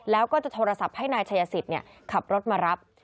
แล้วก็จะโทรศัพท์ให้นายชายสิทธิ์ขับรถมารับ